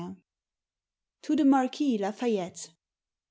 TO THE MARQUIS LA FAYETTE.